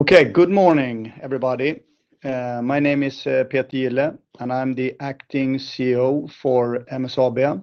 Okay, good morning, everybody. My name is Peter Gille, and I'm the Acting CEO for MSAB.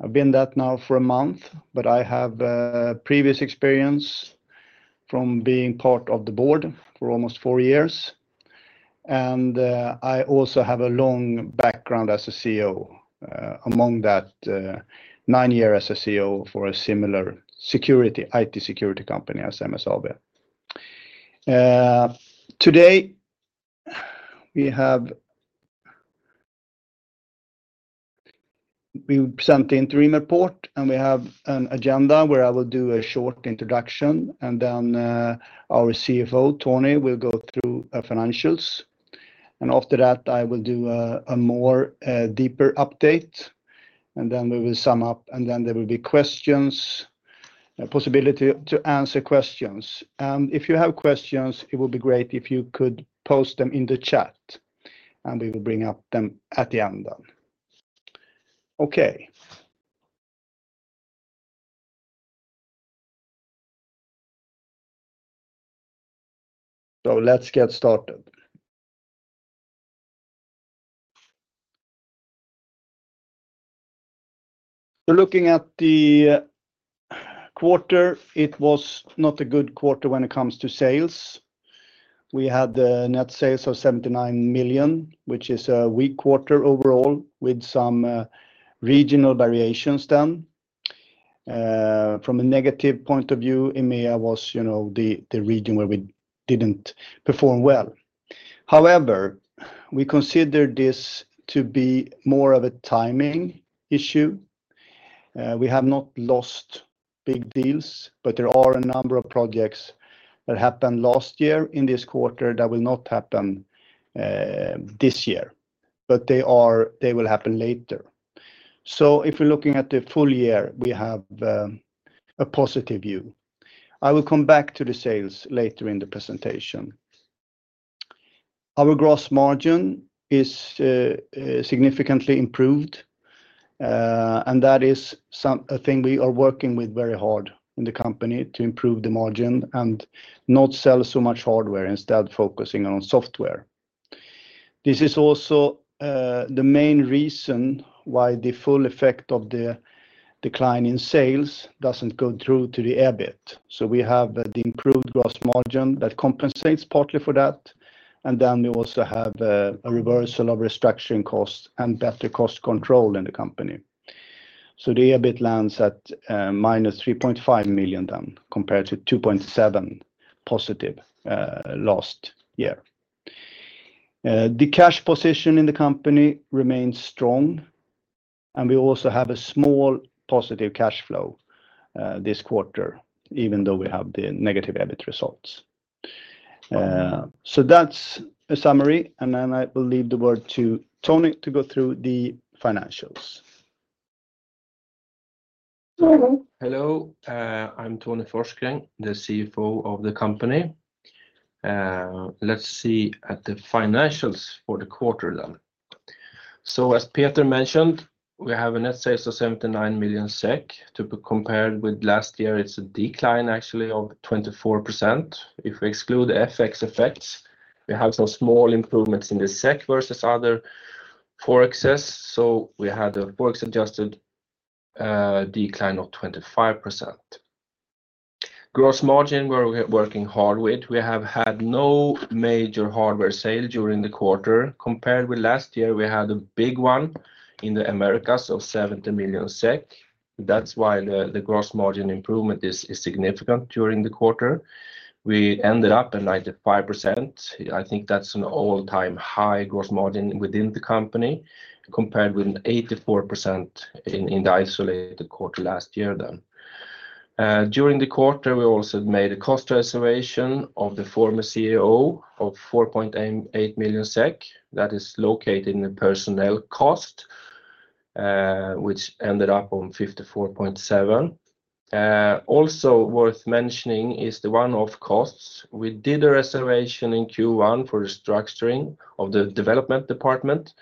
I've been that now for a month, but I have previous experience from being part of the board for almost four years. And, I also have a long background as a CEO, among that, nine years as a CEO for a similar IT security company as MSAB. Today, we will present the interim report, and we have an agenda where I will do a short introduction, and then our CFO, Tony, will go through financials. After that, I will do a more deeper update, and then we will sum up, and then there will be questions, a possibility to answer questions. If you have questions, it would be great if you could post them in the chat, and we will bring up them at the end then. Okay. Let's get started. Looking at the quarter, it was not a good quarter when it comes to sales. We had net sales of 79 million, which is a weak quarter overall, with some regional variations then. From a negative point of view, EMEA was the region where we didn't perform well. However, we consider this to be more of a timing issue. We have not lost big deals, but there are a number of projects that happened last year in this quarter that will not happen this year, but they will happen later. If we're looking at the full-year, we have a positive view. I will come back to the sales later in the presentation. Our gross margin is significantly improved, and that is a thing we are working with very hard in the company to improve the margin and not sell so much hardware, instead focusing on software. This is also the main reason why the full effect of the decline in sales doesn't go through to the EBIT. So we have the improved gross margin that compensates partly for that, and then we also have a reversal of restructuring costs and better cost control in the company. So the EBIT lands at -3.5 million then, compared to +2.7 million last year. The cash position in the company remains strong, and we also have a small positive cash flow this quarter, even though we have the negative EBIT results. So that's a summary, and then I will leave the word to Tony to go through the financials. Hello, I'm Tony Forsgren, the CFO of the company. Let's see at the financials for the quarter then. So as Peter mentioned, we have a net sales of 79 million SEK, compared with last year, it's a decline actually of 24%. If we exclude FX effects, we have some small improvements in the SEK versus other forexes, so we had a forex-adjusted decline of 25%. Gross margin, we're working hard with. We have had no major hardware sales during the quarter. Compared with last year, we had a big one in the Americas of 70 million SEK. That's why the gross margin improvement is significant during the quarter. We ended up at 95%. I think that's an all-time high gross margin within the company, compared with 84% in the isolated quarter last year then. During the quarter, we also made a cost reservation of the former CEO of 4.8 million SEK that is located in the personnel cost, which ended up on 54.7 million. Also worth mentioning is the one-off costs. We did a reservation in Q1 for restructuring of the development department.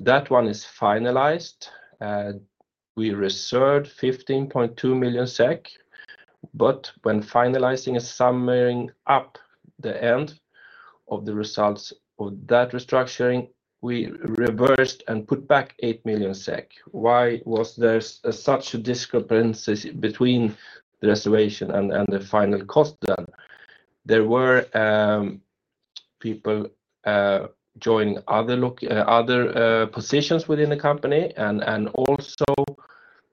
That one is finalized. We reserved 15.2 million SEK, but when finalizing and summarizing up the end of the results of that restructuring, we reversed and put back 8 million SEK. Why was there such a discrepancy between the reservation and the final cost then? There were people joining other positions within the company, and also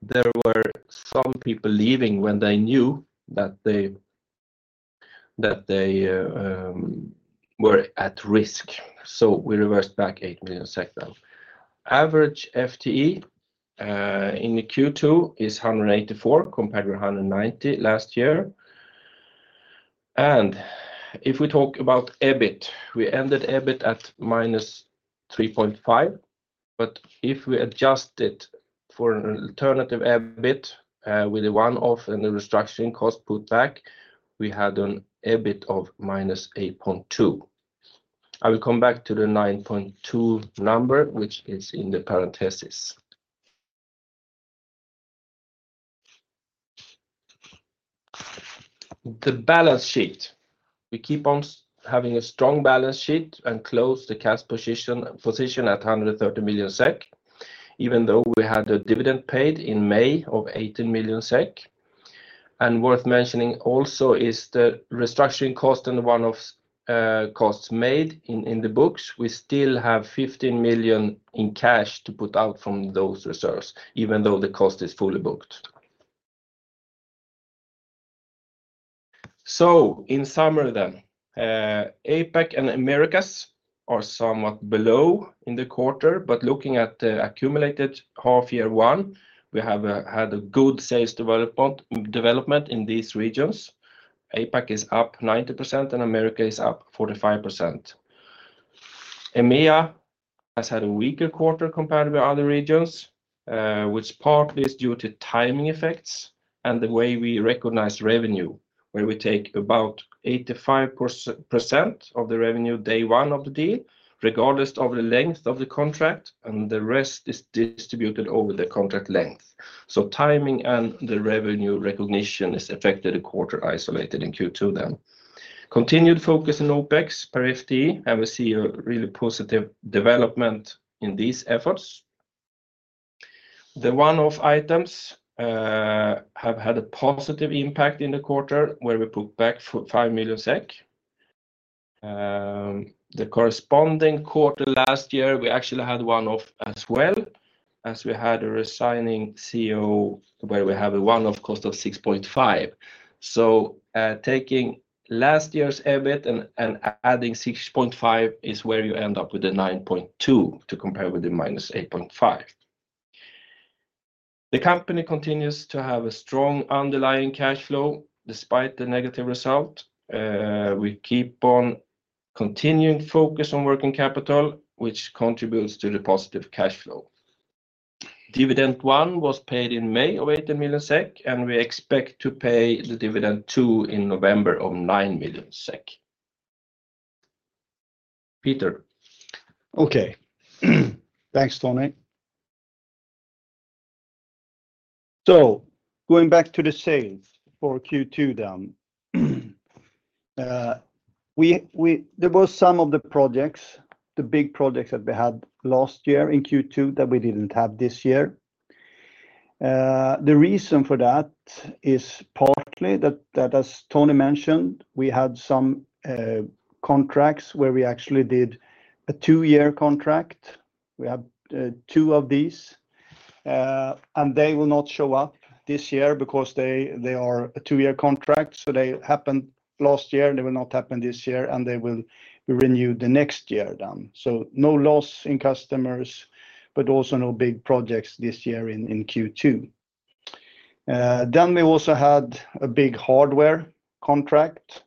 there were some people leaving when they knew that they were at risk. So we reversed back 8 million then. Average FTE in Q2 is 184, compared with 190 last year. If we talk about EBIT, we ended EBIT at -3.5, but if we adjust it for an alternative EBIT with a one-off and the restructuring cost put back, we had an EBIT of -8.2. I will come back to the 9.2 number, which is in the parenthesis. The balance sheet. We keep on having a strong balance sheet and close the cash position at 130 million SEK, even though we had a dividend paid in May of 18 million SEK. Worth mentioning also is the restructuring cost and the one-off costs made in the books. We still have 15 million in cash to put out from those reserves, even though the cost is fully booked. In summary then, APAC and Americas are somewhat below in the quarter, but looking at the accumulated half-year one, we have had a good sales development in these regions. APAC is up 90% and America is up 45%. EMEA has had a weaker quarter compared with other regions, which partly is due to timing effects and the way we recognize revenue, where we take about 85% of the revenue day one of the deal, regardless of the length of the contract, and the rest is distributed over the contract length. So timing and the revenue recognition is affected a quarter isolated in Q2 then. Continued focus on OPEX per FTE, and we see a really positive development in these efforts. The one-off items have had a positive impact in the quarter, where we put back 5 million SEK. The corresponding quarter last year, we actually had one-off as well, as we had a resigning CEO, where we have a one-off cost of 6.5 million. Taking last year's EBIT and adding 6.5 is where you end up with 9.2 to compare with the -8.5. The company continues to have a strong underlying cash flow despite the negative result. We keep on continuing focus on working capital, which contributes to the positive cash flow. Dividend one was paid in May of 18 million SEK, and we expect to pay the dividend two in November of 9 million SEK. Peter. Okay. Thanks, Tony. So going back to the sales for Q2 then, there were some of the projects, the big projects that we had last year in Q2 that we didn't have this year. The reason for that is partly that, as Tony mentioned, we had some contracts where we actually did a two-year contract. We have two of these, and they will not show up this year because they are a two-year contract. So they happened last year, and they will not happen this year, and they will be renewed the next year then. So no loss in customers, but also no big projects this year in Q2. Then we also had a big hardware contract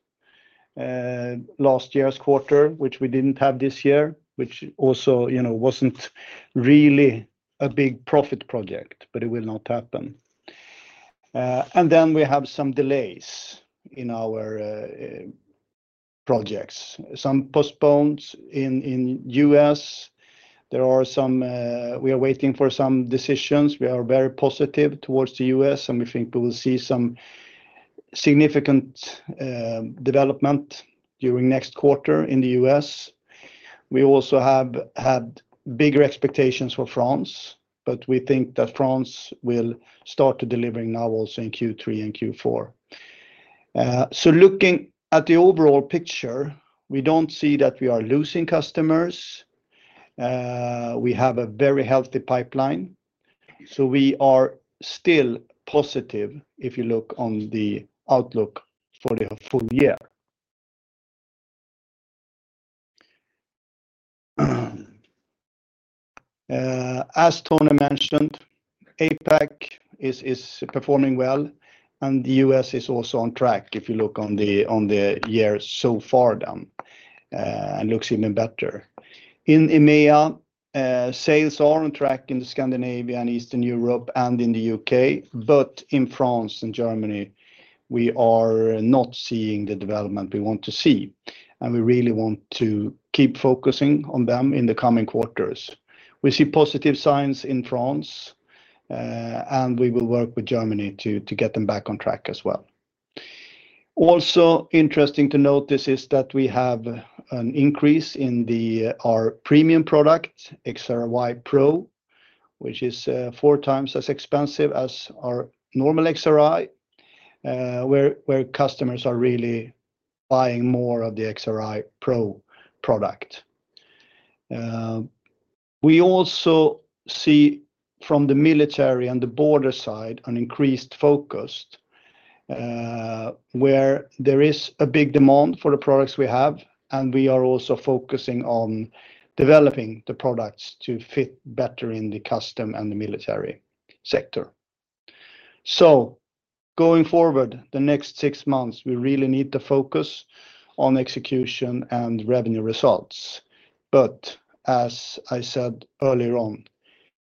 last year's quarter, which we didn't have this year, which also wasn't really a big profit project, but it will not happen. Then we have some delays in our projects, some postponed in the U.S. There are some we are waiting for some decisions. We are very positive towards the U.S., and we think we will see some significant development during next quarter in the U.S. We also have had bigger expectations for France, but we think that France will start to deliver now also in Q3 and Q4. So looking at the overall picture, we don't see that we are losing customers. We have a very healthy pipeline, so we are still positive if you look on the outlook for the full-year. As Tony mentioned, APAC is performing well, and the U.S. is also on track if you look on the year so far then, and looks even better. In EMEA, sales are on track in Scandinavia and Eastern Europe and in the UK, but in France and Germany, we are not seeing the development we want to see, and we really want to keep focusing on them in the coming quarters. We see positive signs in France, and we will work with Germany to get them back on track as well. Also interesting to note this is that we have an increase in our premium product, XRY Pro, which is 4x as expensive as our normal XRY, where customers are really buying more of the XRY Pro product. We also see from the military and the border side an increased focus, where there is a big demand for the products we have, and we are also focusing on developing the products to fit better in the customs and the military sector. So going forward, the next six months, we really need to focus on execution and revenue results. But as I said earlier on,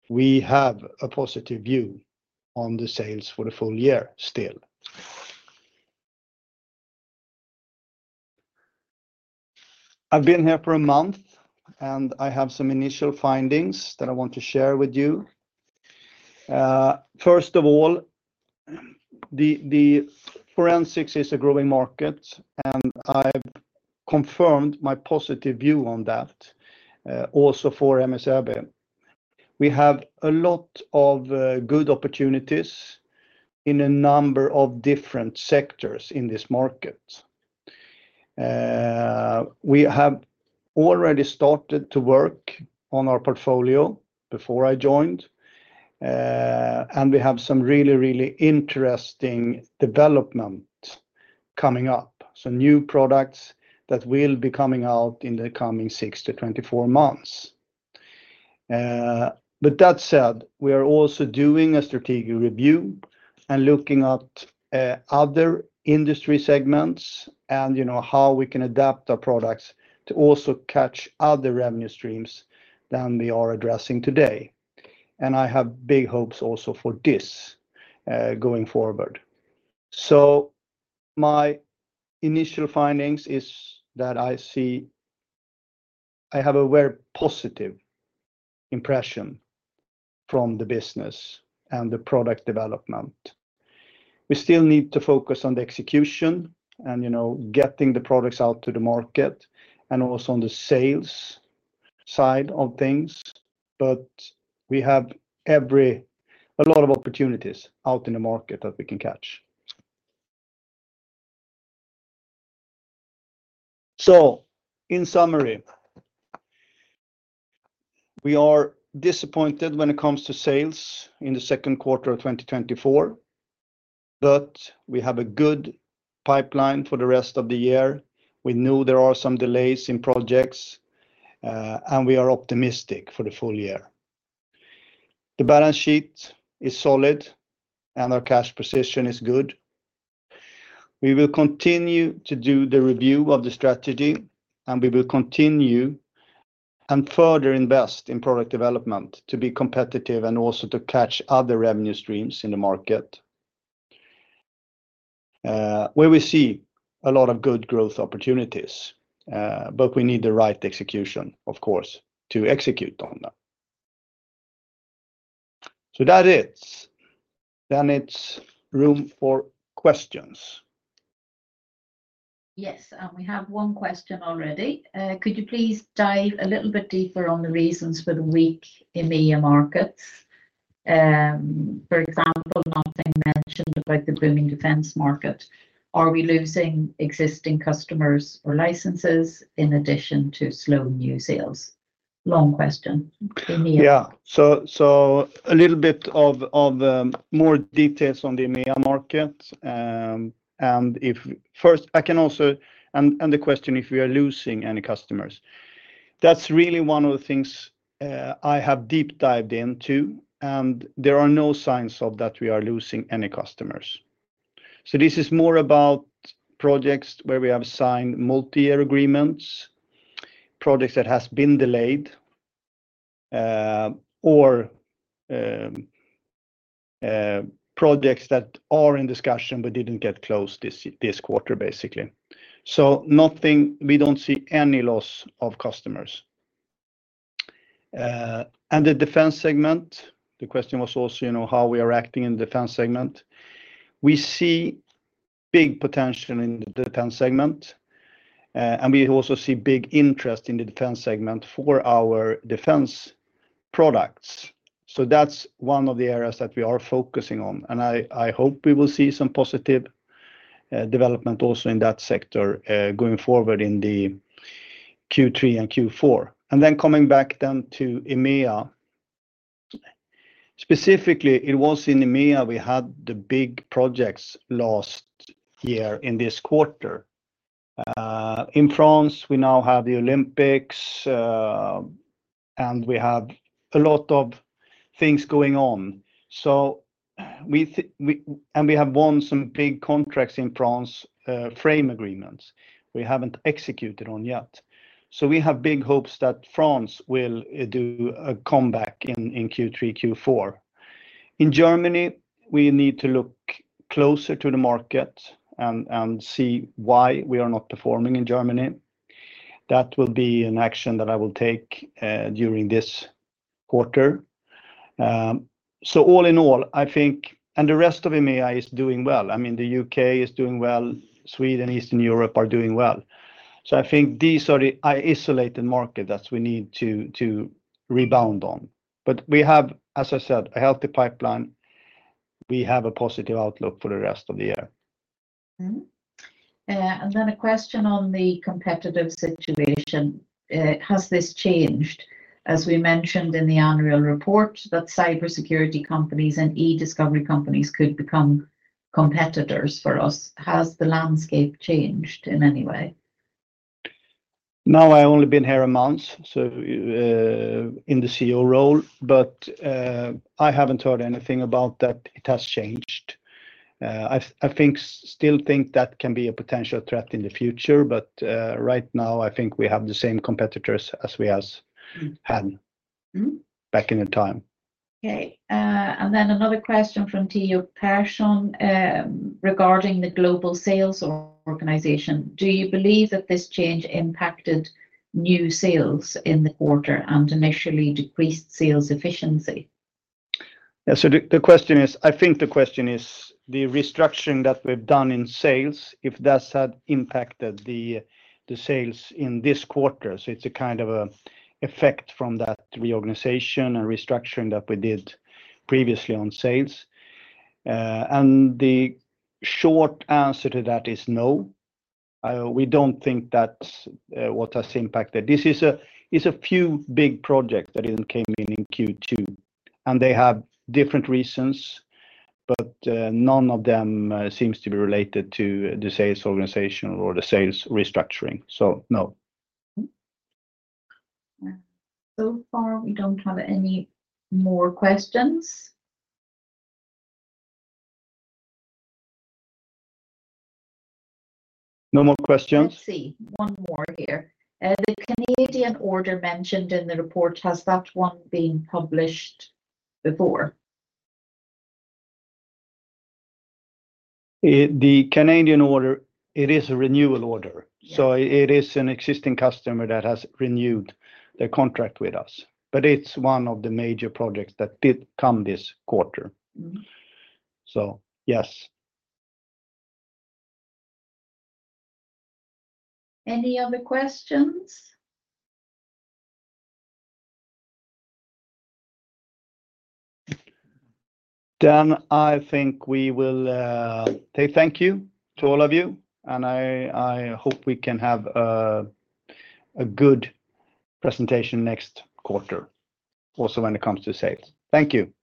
we have a positive view on the sales for the full-year still. I've been here for a month, and I have some initial findings that I want to share with you. First of all, the forensics is a growing market, and I've confirmed my positive view on that, also for MSAB. We have a lot of good opportunities in a number of different sectors in this market. We have already started to work on our portfolio before I joined, and we have some really, really interesting developments coming up. So new products that will be coming out in the coming 6-24 months. With that said, we are also doing a strategic review and looking at other industry segments and how we can adapt our products to also catch other revenue streams than we are addressing today. I have big hopes also for this going forward. My initial findings is that I see I have a very positive impression from the business and the product development. We still need to focus on the execution and getting the products out to the market and also on the sales side of things, but we have a lot of opportunities out in the market that we can catch. In summary, we are disappointed when it comes to sales in the second quarter of 2024, but we have a good pipeline for the rest of the year. We know there are some delays in projects, and we are optimistic for the full-year. The balance sheet is solid, and our cash position is good. We will continue to do the review of the strategy, and we will continue and further invest in product development to be competitive and also to catch other revenue streams in the market. We will see a lot of good growth opportunities, but we need the right execution, of course, to execute on them. So that's it. Then it's room for questions. Yes, we have one question already. Could you please dive a little bit deeper on the reasons for the weak EMEA markets? For example, nothing mentioned about the booming defense market. Are we losing existing customers or licenses in addition to slow new sales? Long question. Yeah. So a little bit more details on the EMEA market. And first, I can also answer the question if we are losing any customers. That's really one of the things I have deep dived into, and there are no signs that we are losing any customers. So this is more about projects where we have signed multi-year agreements, projects that have been delayed, or projects that are in discussion but didn't get closed this quarter, basically. So we don't see any loss of customers. And the defense segment, the question was also how we are acting in the defense segment. We see big potential in the defense segment, and we also see big interest in the defense segment for our defense products. So that's one of the areas that we are focusing on, and I hope we will see some positive development also in that sector going forward in the Q3 and Q4. And then coming back then to EMEA, specifically, it was in EMEA we had the big projects last year in this quarter. In France, we now have the Olympics, and we have a lot of things going on. And we have won some big contracts in France, frame agreements we haven't executed on yet. So we have big hopes that France will do a comeback in Q3, Q4. In Germany, we need to look closer to the market and see why we are not performing in Germany. That will be an action that I will take during this quarter. So all in all, I think, and the rest of EMEA is doing well. I mean, the UK is doing well. Sweden and Eastern Europe are doing well. So I think these are the isolated markets that we need to rebound on. But we have, as I said, a healthy pipeline. We have a positive outlook for the rest of the year. And then a question on the competitive situation. Has this changed? As we mentioned in the Annual Report, that cybersecurity companies and e-discovery companies could become competitors for us. Has the landscape changed in any way? Now I've only been here a month in the CEO role, but I haven't heard anything about that it has changed. I still think that can be a potential threat in the future, but right now I think we have the same competitors as we had back in the time. Okay. And then another question from Teo Persson regarding the global sales organization. Do you believe that this change impacted new sales in the quarter and initially decreased sales efficiency? Yeah. So the question is, I think the question is the restructuring that we've done in sales, if that had impacted the sales in this quarter. So it's a kind of an effect from that reorganization and restructuring that we did previously on sales. And the short answer to that is no. We don't think that's what has impacted. This is a few big projects that came in in Q2, and they have different reasons, but none of them seems to be related to the sales organization or the sales restructuring. So no. So far, we don't have any more questions. No more questions. Let's see. One more here. The Canadian order mentioned in the report, has that one been published before? The Canadian order, it is a renewal order. So it is an existing customer that has renewed their contract with us, but it's one of the major projects that did come this quarter. So yes. Any other questions? Done, I think we will say thank you to all of you, and I hope we can have a good presentation next quarter, also when it comes to sales. Thank you.